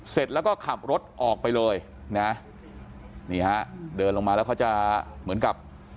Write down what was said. เสร็จแล้วก็ขับรถออกไปเลยนะนี่ฮะเดินลงมาแล้วเขาจะเหมือนกับ